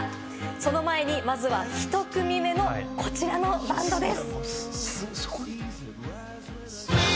その前にまずは１組目、のこちらのバンドです。